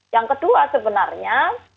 yang kedua sebenarnya